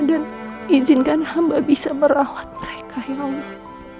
dan izinkan hamba bisa merawat mereka ya allah